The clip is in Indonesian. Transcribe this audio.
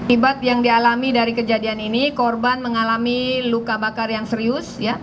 ibat yang dialami dari kejadian ini korban mengalami luka bakar yang serius